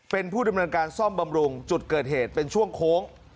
เป็นผู้ดำเนินการซ่อมบำรุงจุดเกิดเหตุเป็นช่วงโค้ง